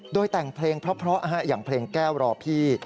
โดยแต่งเพลงเพราะอย่างเพลงแก้วรอพี่